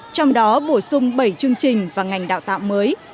trong đó bổ sung bảy chương trình và ngành đào tạo mới